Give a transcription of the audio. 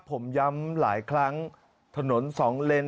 ผมย้ำหลายครั้งถนนสองเลน